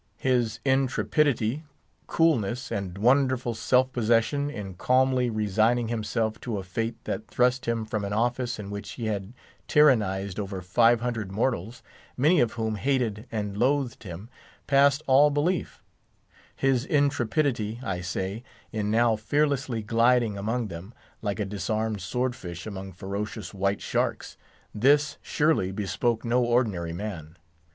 His intrepidity, coolness, and wonderful self possession in calmly resigning himself to a fate that thrust him from an office in which he had tyrannised over five hundred mortals, many of whom hated and loathed him, passed all belief; his intrepidity, I say, in now fearlessly gliding among them, like a disarmed swordfish among ferocious white sharks; this, surely, bespoke no ordinary man.